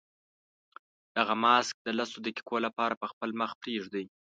دغه ماسک د لسو دقیقو لپاره په خپل مخ پرېږدئ.